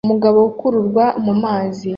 Umugabo akururwa mumazi